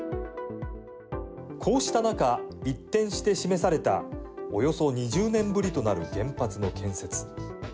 こうしたなか、一転して示されたおよそ２０年ぶりとなる原発の建設。